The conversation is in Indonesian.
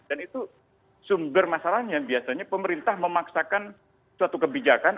dan itu sumber masalahnya biasanya pemerintah memaksakan suatu kebijakan